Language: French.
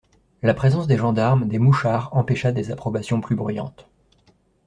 La présence des gendarmes, des mouchards empêcha des approbations plus bruyantes.